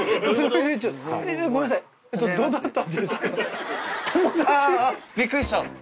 友達⁉びっくりした！